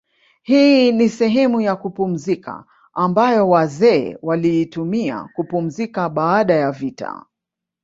Hii ni sehemu ya kupumzika ambayo wazee waliitumia kupumzika baada ya vita